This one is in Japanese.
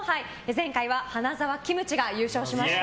前回は花澤キムチが優勝しました。